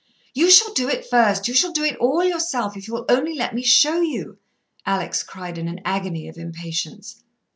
"You shall do it first you shall do it all yourself, if you'll only let me show you," Alex cried in an agony of impatience.